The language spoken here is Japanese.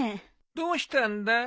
どうしたんだ？